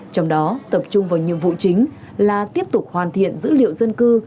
trong đó tập trung vào nhiệm vụ chính là tiếp tục hoàn thiện dữ liệu dân cư